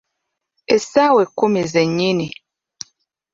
Essaawa ekkumi ze nnyini.